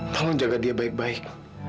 tolong jaga dia baik baik